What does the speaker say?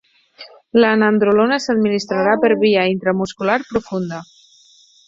La nandrolona s'administrarà per via intramuscular profunda.